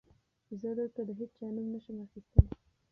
زه دلته د هېچا نوم نه شم اخيستی.